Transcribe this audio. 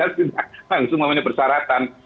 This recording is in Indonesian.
langsung memenuhi persyaratan